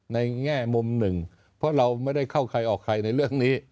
แง่มุมหนึ่งเพราะเราไม่ได้เข้าใครออกใครในเรื่องนี้